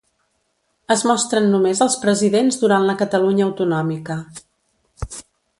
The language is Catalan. Es mostren només els presidents durant la Catalunya autonòmica.